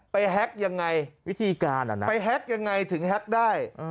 แฮ็กยังไงวิธีการไปแฮ็กยังไงถึงแฮ็กได้